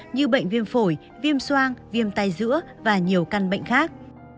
như bệnh viêm phổi viêm soang viêm tay giữa và nhiều căn bệnh khác